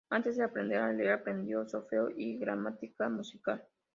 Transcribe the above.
Antes de aprender a leer, aprendió solfeo y gramática musical.